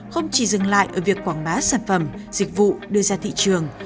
không chỉ dừng lại ở việc quảng bá sản phẩm dịch vụ đưa ra thị trường